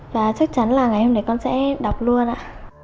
và chắc chắn là ngày hôm đấy con sẽ đọc luôn ạ